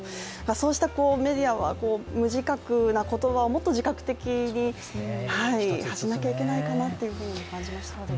そういうメディアも無自覚な言葉をもっと自覚的に発しなきゃいけないかなと感じました。